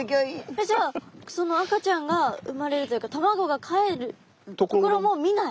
えっじゃあその赤ちゃんが産まれるというか卵がかえるところも見ない？